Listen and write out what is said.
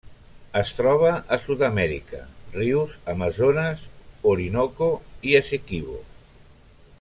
Es troba a Sud-amèrica: rius Amazones, Orinoco i Essequibo.